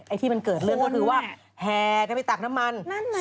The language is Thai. ที่มันเกิดเรื่องก็คือว่าแห่กันไปตักน้ำมันนั่นไง